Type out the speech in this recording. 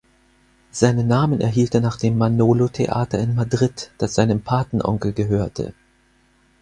Seinen Namen erhielt er nach dem "Manolo-Theater" in Madrid, das seinem Patenonkel gehörte.